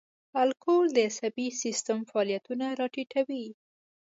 الکول د عصبي سیستم فعالیتونه را ټیټوي.